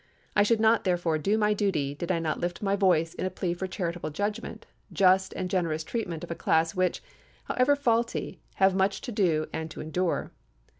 I should not, therefore, do my duty, did I not lift my voice in a plea for charitable judgment, just and generous treatment of a class which, however faulty, have much to do and to endure.